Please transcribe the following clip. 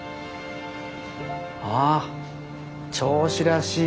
あ銚子らしい。